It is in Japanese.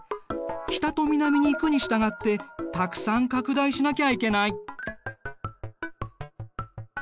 北と南に行くに従ってたくさん拡大しなきゃいけない。